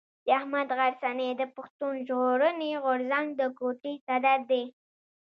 رحمت غرڅنی د پښتون ژغورني غورځنګ د کوټي صدر دی.